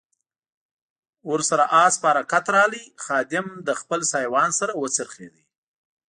ور سره آس په حرکت راغی، خادم له خپل سایوان سره و څرخېد.